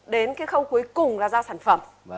đến cái khâu cuối cùng là ra sản phẩm